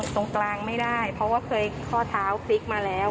ตรงกลางไม่ได้เพราะว่าเคยข้อเท้าพลิกมาแล้ว